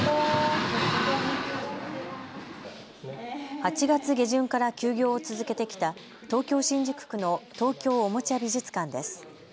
８月下旬から休業を続けてきた東京新宿区の東京おもちゃ美術館です。